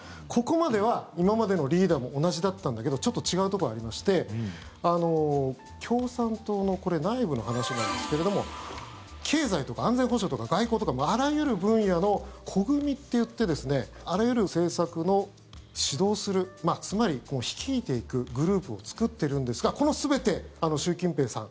ここまでは今までのリーダーも同じだったんだけどちょっと違うところありまして共産党の内部の話なんですけれども経済とか、安全保障とか外交とかあらゆる分野の小組といってあらゆる政策の指導するつまり率いていくグループを作っているんですがこの全て、習近平さん。